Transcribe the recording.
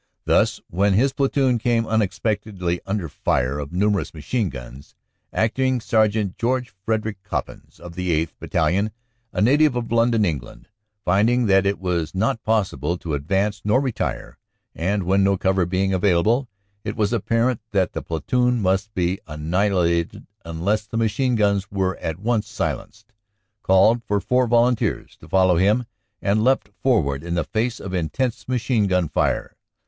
Thus, when his platoon came unexpectedly under fire of numerous machine guns, Acting Sergeant George Frederick Coppins of the 8th. Battalion, a native of London, England, finding that it was not possible to advance nor retire, and when, no cover being available, it was apparent that the platoon must be annihilated unless the machine guns were at once silenced, called for four volunteers to follow him and leapt forward in the face of intense machine gun fire.